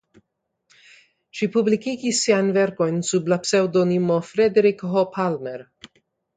Ŝi publikigis siajn verkojn sub la pseŭdonimo Frederik H. Palmer.